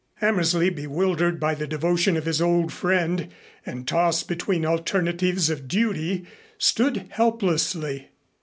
Hammersley, bewildered by the devotion of his old friend and tossed between alternatives of duty, stood helplessly.